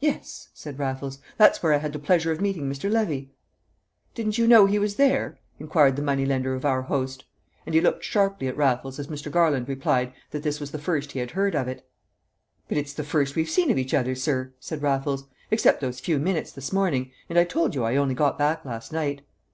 "Yes," said Raffles. "That's where I had the pleasure of meeting Mr. Levy." "Didn't you know he was there?" inquired the money lender of our host. And he looked sharply at Raffles as Mr. Garland replied that this was the first he had heard of it. "But it's the first we've seen of each other, sir," said Raffles, "except those few minutes this morning. And I told you I only got back last night."